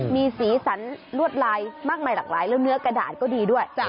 มีสีสันลวดลายมากมายหลากหลายแล้วเนื้อกระดาษก็ดีด้วย